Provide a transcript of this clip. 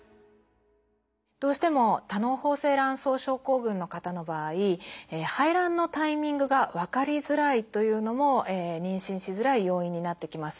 どうしても多嚢胞性卵巣症候群の方の場合排卵のタイミングが分かりづらいというのも妊娠しづらい要因になってきます。